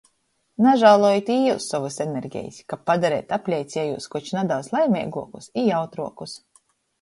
Nažālojit i jius sovys energejis, kab padareit apleicejūs koč nadaudz laimeiguokus i jautruokus!